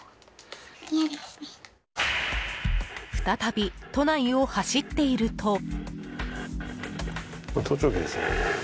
再び都内を走っていると。